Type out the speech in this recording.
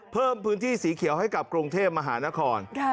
เพิ่มพื้นที่สีเขียวให้กับกรุงเทพมหานคร